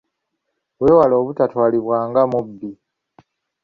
Weewale obutatwalibwa nga mubbi.